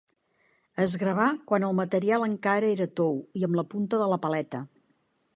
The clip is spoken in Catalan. Es gravà quan el material encara era tou i amb la punta de la paleta.